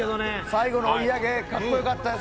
最後の追い上げかっこよかったです。